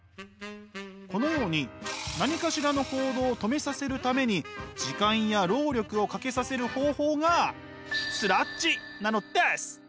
このように何かしらの行動を止めさせるために時間や労力をかけさせる方法がスラッジなのです。